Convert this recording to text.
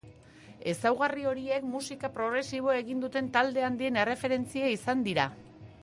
Ezaugarri horiek musika progresiboa egin duten talde handien erreferentzia izan dira.